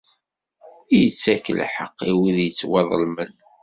Ittak lḥeqq i wid yettwaḍelmen.